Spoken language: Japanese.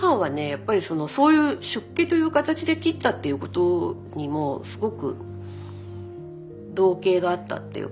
やっぱりそのそういう出家という形で切ったっていうことにもすごく憧憬があったっていうか。